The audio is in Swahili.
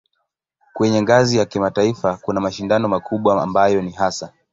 Kwenye ngazi ya kimataifa kuna mashindano makubwa ambayo ni hasa